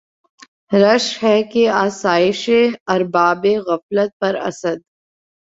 رشک ہے آسایشِ اربابِ غفلت پر اسد!